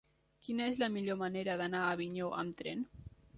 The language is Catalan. Quina és la millor manera d'anar a Avinyó amb tren?